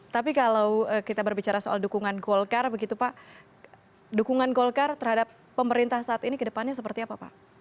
tapi kalau kita berbicara soal dukungan golkar begitu pak dukungan golkar terhadap pemerintah saat ini ke depannya seperti apa pak